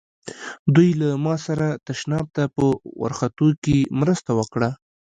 دوی له ما سره تشناب ته په ورختو کې مرسته وکړه.